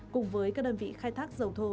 cùng với các đơn vị khai thác dầu thô